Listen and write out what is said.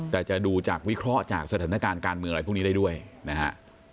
แต่จะดูจากวิเคราะห์จากสถานการณ์การเมืองอะไรพวกนี้ได้ด้วยนะฮะ